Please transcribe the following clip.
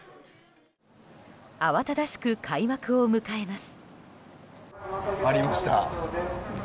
慌ただしく開幕を迎えます。